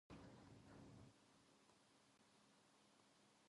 浄化される。